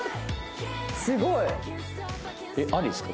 すごい。えっありですか？